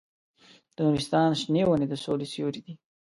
د نورستان شنې ونې د سولې سیوري دي.